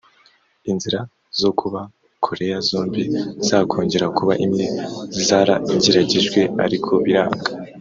inzira zo kuba Korea zombi zakongera kuba imwe zarageragejwe ariko biranga